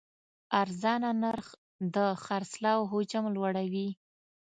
ارزانه نرخ د خرڅلاو حجم لوړوي.